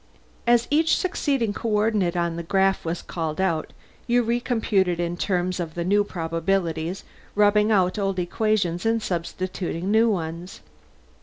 As each succeeding coordinate on the graph was called out, you recomputed in terms of the new probabilities, rubbing out old equations and substituting new ones.